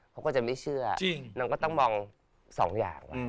เขาก็จะไม่เชื่อนางก็ต้องมองสองอย่าง